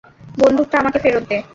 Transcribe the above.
বন্দুকটা আমাকে ফেরত দে।